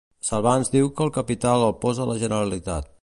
Salvans diu que el capital el posa la Generalitat.